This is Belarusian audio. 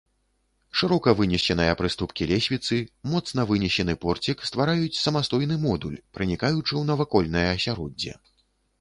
Шырока вынесеныя прыступкі лесвіцы, моцна вынесены порцік ствараюць самастойны модуль, пранікаючы ў навакольнае асяроддзе.